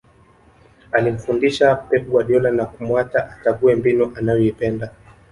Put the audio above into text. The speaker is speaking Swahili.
alimfundisha pep guardiola na kumuacha achague mbinu anayoipenda